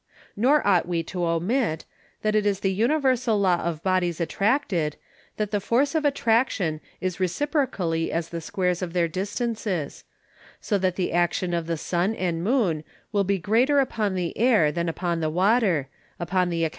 Nor ought we to omit, that it is the universal Law of Bodies Attracted, that the Force of Attraction is reciprocally as the Squares of their Distances; so that the Action of the Sun and Moon will be greater upon the Air than upon the Water, upon the Account of its Nearness.